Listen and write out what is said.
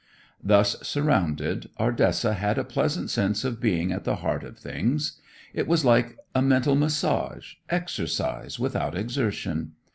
Thus surrounded, Ardessa had a pleasant sense of being at the heart of things. It was like a mental massage, exercise without exertion.